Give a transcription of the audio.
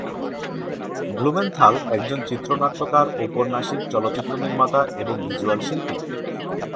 Blumenthal একজন চিত্রনাট্যকার, উপন্যাসিক, চলচ্চিত্র নির্মাতা এবং ভিজ্যুয়াল শিল্পী।